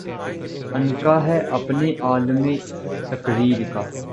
عنقا ہے اپنے عالَمِ تقریر کا